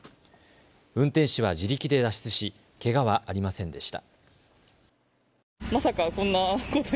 運転手は自力で脱出しけがはありませんでした。